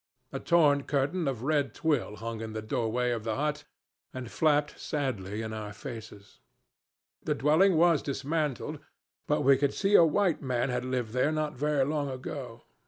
A torn curtain of red twill hung in the doorway of the hut, and flapped sadly in our faces. The dwelling was dismantled; but we could see a white man had lived there not very long ago.